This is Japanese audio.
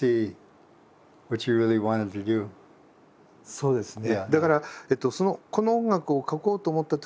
そうですね。